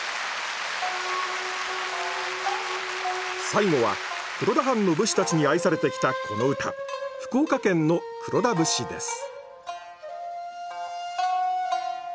最後は黒田藩の武士たちに愛されてきたこの唄福岡県の「黒田節」です